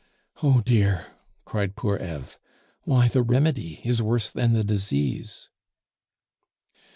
"Oh, dear!" cried poor Eve; "why, the remedy is worse than the disease!"